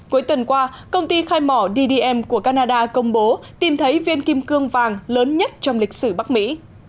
cuối tuần qua công ty khai mỏ ddm của canada công bố tìm thấy viên kim cương vàng lớn nhất trong lịch sử bắc mỹ